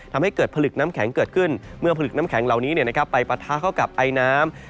ทำให้เกิดผลึกน้ำแข็งเกิดขึ้นเมื่อผลึกน้ำแข็งเหล่านี้ไปปะทะเข้ากับไอน้ำ